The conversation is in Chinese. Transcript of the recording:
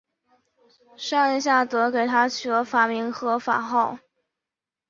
上仁下德给他取了法名和法号。